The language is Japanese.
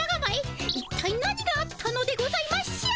いったい何があったのでございましょう。